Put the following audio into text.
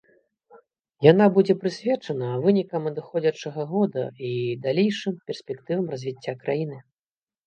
Яна будзе прысвечана вынікам адыходзячага года і далейшым перспектывам развіцця краіны.